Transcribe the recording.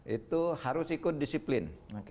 itu harus ikut disiplin